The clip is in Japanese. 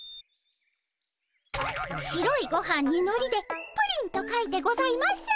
白いごはんにのりで「プリン」と書いてございます。